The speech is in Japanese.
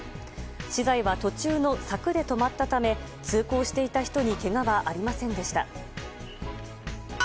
資材は途中の柵で止まったため通行していた人にけがはありませんでした。